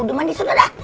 udah mandi sudah dah